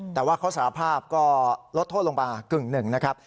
แต่ว่าเขาสารภาพก็ลดโทษลงมากึ่งหนึ่งนะครับ